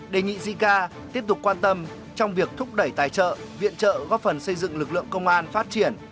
đề nghị jica tiếp tục quan tâm trong việc thúc đẩy tài trợ viện trợ góp phần xây dựng lực lượng công an phát triển